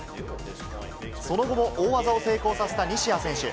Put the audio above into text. その後も大技を成功させた西矢選手。